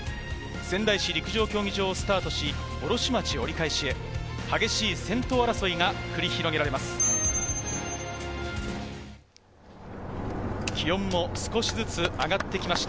仙台市陸上競技場をスタートし、卸町折り返しへ激しい先頭争いが繰り広げられます。